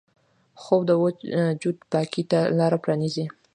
خوب د وجود پاکۍ ته لاره پرانیزي